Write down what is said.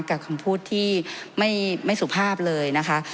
กับคำพูดที่ไม่สุภาพเลยนะคะ